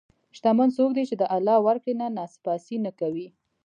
شتمن څوک دی چې د الله ورکړه نه ناسپاسي نه کوي.